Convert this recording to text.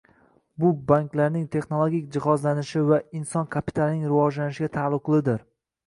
Bu banklarning texnologik jihozlanishi va inson kapitalining rivojlanishiga taalluqlidir